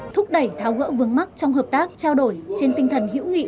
thúc đẩy tháo gỡ vướng mắt trong hợp tác trao đổi trên tinh thần hiểu nghị